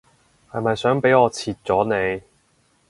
係咪想俾我切咗你